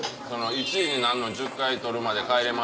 １位になんの１０回取るまで帰れま